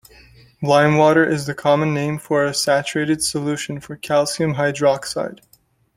Limewater is the common name for a saturated solution of calcium hydroxide.